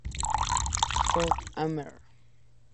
N. South Amer.